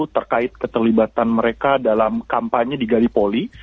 terkait keterlibatan mereka dalam kampanye di galipoli